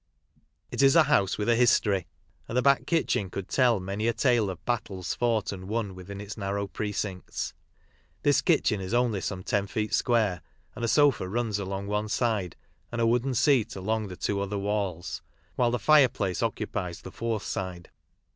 It is a house with a history, and the back kitchen could tell many a tale of battles fought and won within its narrow precincts. This kitchen is only some ten feet square, and a sofa runs along one side^andawoodenseatalongthetwo otherwalls, white the fireplace occupies the fourth side.